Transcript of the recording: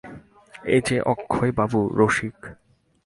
এই-যে অক্ষয়বাবু– রসিক।